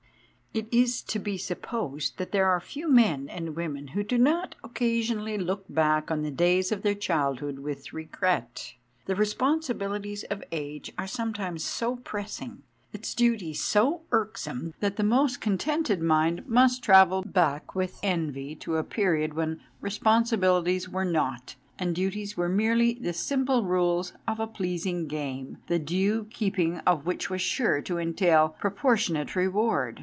IT is to be supposed that there are few men and women, who do not occasionally look back on the days of their childhood with regret. The responsibilities of age are some times so pressing, its duties so irksome, that the most contented mind must travel back with envy to a period when responsibilities were not, and duties were merely the simple rules of a pleasing game, the due keeping of which was sure to entail proportionate reward.